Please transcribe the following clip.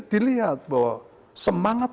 dilihat bahwa semangat